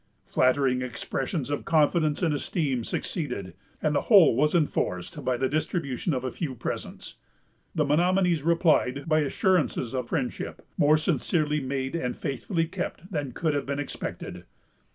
Flattering expressions of confidence and esteem succeeded, and the whole was enforced by the distribution of a few presents. The Menomonies replied by assurances of friendship, more sincerely made and faithfully kept than could have been expected.